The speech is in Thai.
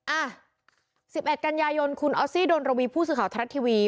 อ่ะสิบแอดกัญญายนคุณออสซีโดนโรวีผู้สื่อข่าวทรัพย์ทีวี